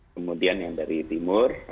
kemudian yang dari timur